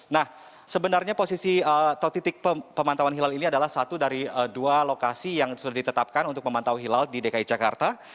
nah sebenarnya posisi atau titik pemantauan hilal ini adalah satu dari dua lokasi yang sudah ditetapkan untuk memantau hilal di dki jakarta